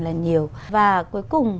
là nhiều và cuối cùng